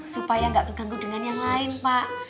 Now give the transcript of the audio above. supaya nggak keganggu dengan yang lain pak